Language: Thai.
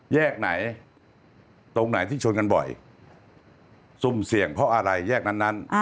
แยกไหนตรงไหนที่ชนกันบ่อยซุ่มเสี่ยงเพราะอะไรแยกนั้น